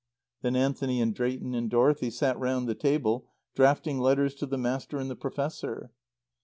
Then Anthony and Drayton and Dorothy sat round the table, drafting letters to the Master and the Professor.